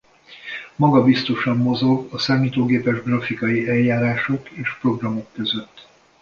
Magabiztosan mozog a számítógépes grafikai eljárások és programok között.